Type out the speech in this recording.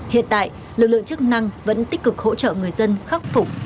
hiện tại lực lượng chức năng vẫn tích cực hỗ trợ người dân khắc phục